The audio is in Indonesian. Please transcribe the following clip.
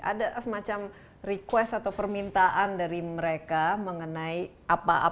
ada semacam request atau permintaan dari mereka mengenai apa apa saja yang harus diberikan